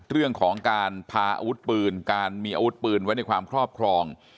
เรื่องของการพาอาวุธปืนการมีอาวุธปืนไว้ในความครอบครอง